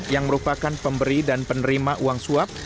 yang merupakan pemberi dan penerima uang suap